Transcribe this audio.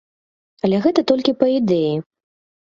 Але гэта толькі па ідэі.